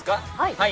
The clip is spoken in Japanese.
はい。